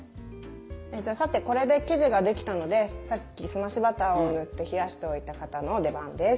さてこれで生地ができたのでさっき澄ましバターを塗って冷やしておいた型の出番です。